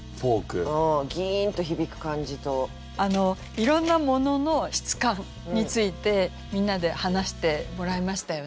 いろんな物の質感についてみんなで話してもらいましたよね。